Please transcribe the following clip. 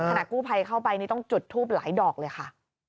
ขณะกู้ภัยเข้าไปนี่ต้องจุดทูปหลายดอกเลยค่ะ